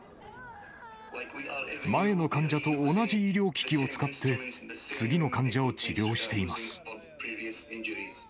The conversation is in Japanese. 前の患者と同じ医療機器を使って、次の患者を治療しています。